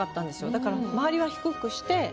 だから周りは低くして。